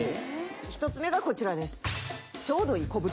１つ目がこちらです。